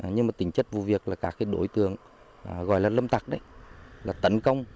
nhưng mà tính chất vụ việc là các đối tượng gọi là lâm tặc đấy là tấn công